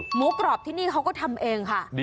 หมูกรอบที่นี่เขาก็ทำเองค่ะ